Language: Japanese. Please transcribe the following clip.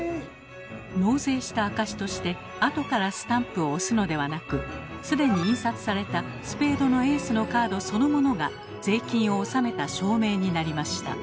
納税した証しとして後からスタンプを押すのではなく既に印刷されたスペードのエースのカードそのものが税金を納めた証明になりました。